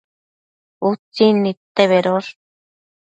Utsin nidte bedosh